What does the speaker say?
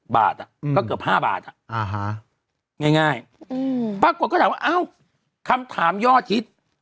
บาทก็เกือบ๕บาทง่ายปรากฏก็ถามว่าเอ้าคำถามย่อฮิต